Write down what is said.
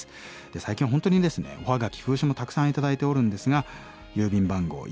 最近は本当にですねおはがき封書もたくさん頂いておるんですが郵便番号１５０−８００１